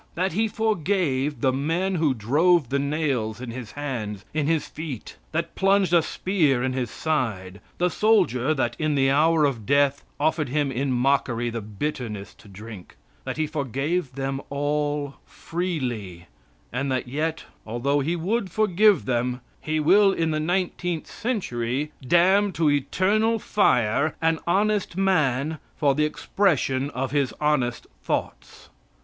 That He forgave the men who drove the nails in His hands, in His feet, that plunged a spear in His side; the soldier that in the hour of death offered Him in mockery the bitterness to drink; that He forgave them all freely, and that yet, although He would forgive them, He will in the nineteenth century damn to eternal fire an honest man for the expression of his honest thoughts.